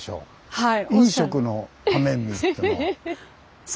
はい。